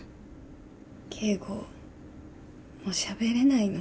もうしゃべれないの。